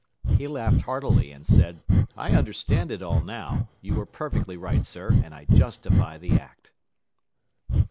He laughed heartily, and said, "I understand it all now. You were perfectly right, sir, and I justify the act."